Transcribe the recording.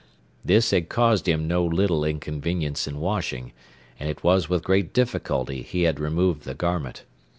This had caused him no little inconvenience in washing, and it was with great difficulty he had removed the garment.